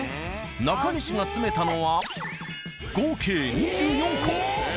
中西が詰めたのは合計２４個。